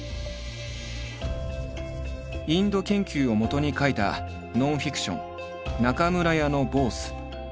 インド研究をもとに書いたノンフィクション「中村屋のボース」。